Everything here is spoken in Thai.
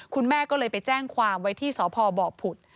คุณแม่ก็เลยไปแจ้งความไว้ที่สพบผุด